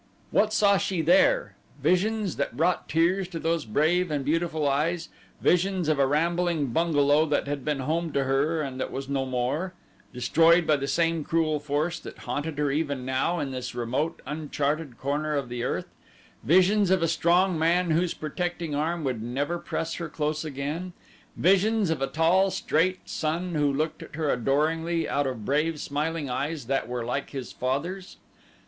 What saw she there? Visions that brought tears to those brave and beautiful eyes visions of a rambling bungalow that had been home to her and that was no more, destroyed by the same cruel force that haunted her even now in this remote, uncharted corner of the earth; visions of a strong man whose protecting arm would never press her close again; visions of a tall, straight son who looked at her adoringly out of brave, smiling eyes that were like his father's.